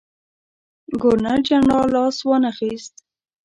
ګورنرجنرال لاس وانه خیست.